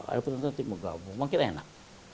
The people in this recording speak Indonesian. ada putaran ketiga gabung makin enak